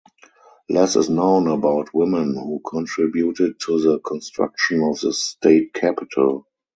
Less is known about women who contributed to the construction of the State Capitol.